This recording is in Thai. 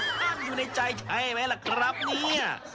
มันอาจต้องอยู่ในใจใช่ไหมล่ะครับเนี่ย